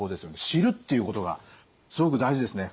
知るっていうことがすごく大事ですね